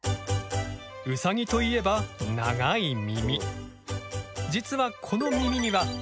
ウサギといえば長い耳。